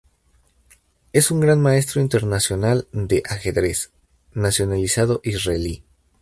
Es un Gran Maestro Internacional de ajedrez, nacionalizado israelí.